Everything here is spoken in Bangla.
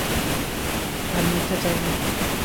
আর মিথ্যা চাই না!